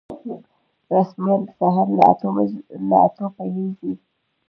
رسميات د سهار له اتو پیلیږي